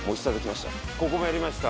ここもやりました。